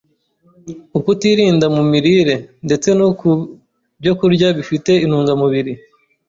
Ukutirinda mu mirire, ndetse no ku byokurya bifite intungamubiri